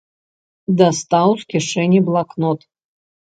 Дастаў з кішэні блакнот.